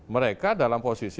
mereka dalam posisi